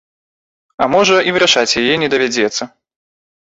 А можа і вырашаць яе не давядзецца.